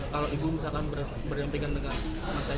kalau ibu misalkan berdampingan dengan mas eko